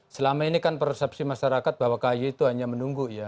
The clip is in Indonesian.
selama ini kan persepsi masyarakat bahwa kay itu hanya menunggu ya